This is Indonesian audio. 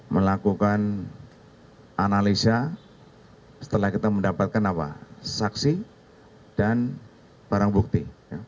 melakukan analisa setelah kita mendapatkan apa saksi dan barang bukti